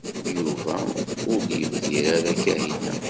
Yuba ur d-yebdir ara Kahina.